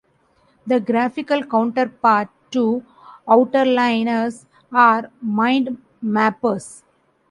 The graphical counterpart to outliners are mind mappers.